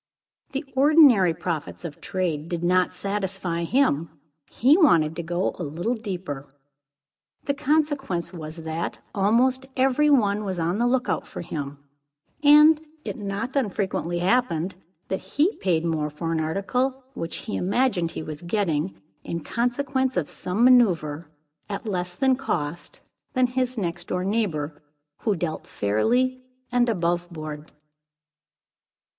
The ordinary profits of trade did not satisfy him; he wanted to go a little deeper. The consequence was that almost every one was on the look out for him; and it not unfrequently happened that he paid more for an article which he imagined he was getting, in consequence of some manoeuvre, at less than cost, than his next door neighbour, who dealt fairly and above board.